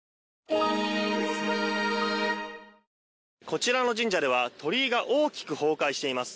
こちらの神社では鳥居が大きく崩壊しています。